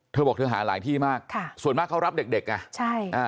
เธอบอกเธอหาหลายที่มากค่ะส่วนมากเขารับเด็กเด็กไงใช่อ่า